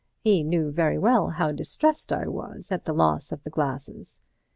He knew very well how distressed I was at the loss of the glasses.